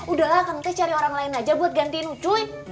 udahlah kan kita cari orang lain aja buat gantiin cuit